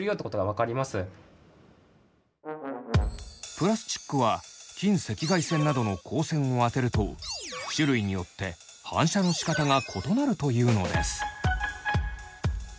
プラスチックは近赤外線などの光線を当てると種類によって反射のしかたが異なるというのです。